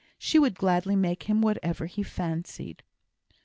She would gladly make him whatever he fancied.